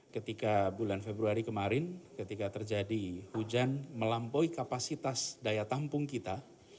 ketika bulan februari kemarin ketika terjadi hujan melampaui kapasitas daya tampung kita